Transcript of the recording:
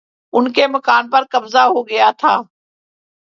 ان کے مکان پر قبضہ ہو گیا تھا